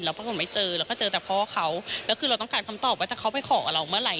ปรากฏไม่เจอเราก็เจอแต่พ่อเขาแล้วคือเราต้องการคำตอบว่าถ้าเขาไปขอกับเราเมื่อไห